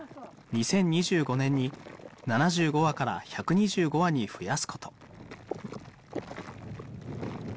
２０２５年に７５羽から１２５羽に増やすこと。